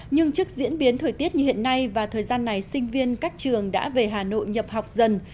nhưng trước diễn biến thời tiết như hiện nay và thời gian này sinh viên các trường đã về hà nội nhập học dần